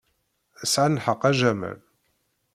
Sɛant lḥeqq, a Jamal.